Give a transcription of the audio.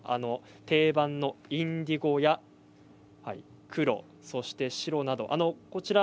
定番のインディゴや黒そして白など。